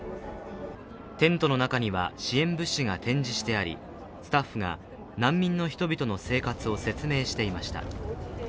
テントの中には支援物資が展示してあり、スタッフが難民の人々の生活を説明していました。